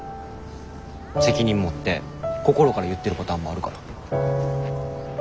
責任持って心から言ってるパターンもあるから。